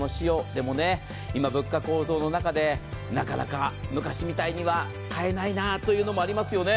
でもね、今、物価高騰の中でなかなか昔みたいには買えないなというのありますよね。